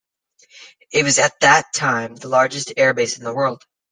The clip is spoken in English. It was at that time the largest air base in the world.